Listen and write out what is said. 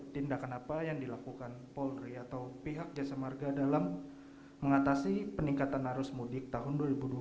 tindakan apa yang dilakukan polri atau pihak jasa marga dalam mengatasi peningkatan arus mudik tahun dua ribu dua puluh